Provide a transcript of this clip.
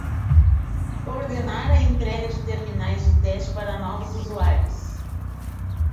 Coordenar a entrega de terminais de teste para novos usuários.